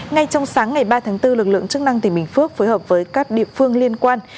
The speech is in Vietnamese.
ngay trong sáng ngày ba tháng bốn lực lượng chức năng tỉnh bình phước phối hợp với các địa phương liên quan